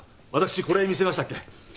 私これ見せましたっけ？